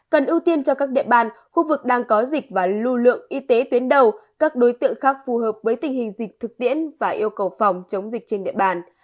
cần ưu tiên cho các địa bàn khu vực đang có dịch và lưu lượng y tế tuyến đầu các đối tượng khác phù hợp với tình hình dịch thực tiễn và yêu cầu phòng chống dịch trên địa bàn